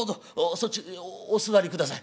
そっちへお座りください。